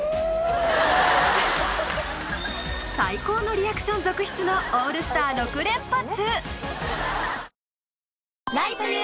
最高のリアクション続出のオールスター６連発！